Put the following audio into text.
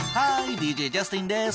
ＤＪジャスティンです。